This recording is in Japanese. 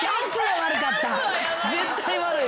絶対悪い。